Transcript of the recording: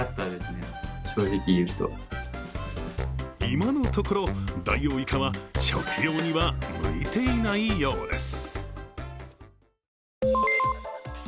今のところダイオウイカは食用には向いていないようです。